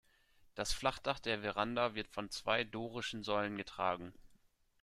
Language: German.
Das Flachdach der Veranda wird von zwei dorischen Säulen getragen.